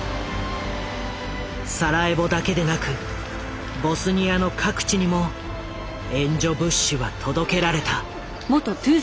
サラエボだけでなくボスニアの各地にも援助物資は届けられた。